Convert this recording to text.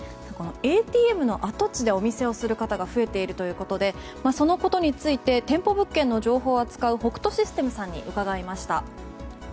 ＡＴＭの跡地でお店をする方が増えているということでそのことについて店舗物件の情報を扱うホクトシステムさんに伺いました。